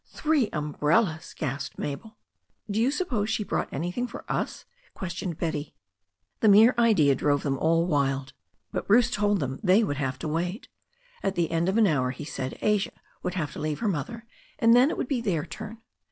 "Three umbrellas!" gasped Mabel. "Do you suppose she brought anything for us?" ques tioned Betty. THE STORY OF A NEW ZEALAND RIVER 251 The mere idea drove them all wild. But Bruce told them they would have to wait. At the end of an hour, he said, Asia would have to leave her mother, and then it would be their turn.